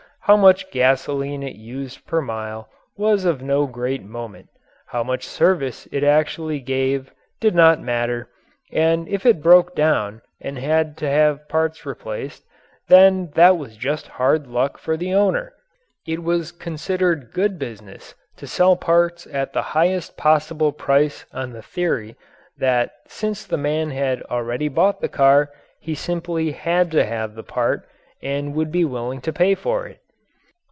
How much gasoline it used per mile was of no great moment; how much service it actually gave did not matter; and if it broke down and had to have parts replaced, then that was just hard luck for the owner. It was considered good business to sell parts at the highest possible price on the theory that, since the man had already bought the car, he simply had to have the part and would be willing to pay for it.